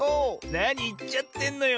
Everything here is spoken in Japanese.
なにいっちゃってんのよ。